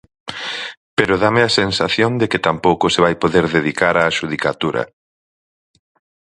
Pero dáme a sensación de que tampouco se vai poder dedicar á xudicatura.